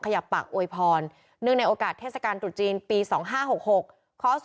๑๕ล้านกว่าชีวิต